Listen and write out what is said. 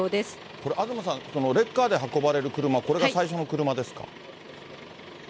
これ、東さん、レッカーで運ばれる車、これが最初の車ですか？